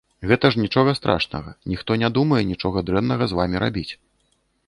Гэта ж нічога страшнага, ніхто не думае нічога дрэннага з вамі рабіць.